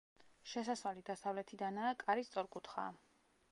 შესასვლელი დასავლეთიდანაა, კარი სწორკუთხაა.